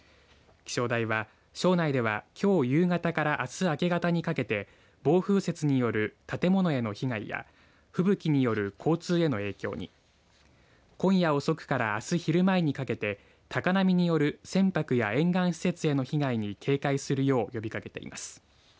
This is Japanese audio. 気象台は庄内ではきょう夕方からあす明け方にかけて暴風雪による建物への被害や吹雪による交通への影響に今夜遅くからあす昼前にかけて高波による船舶や沿岸施設への被害に警戒するよう呼びかけています。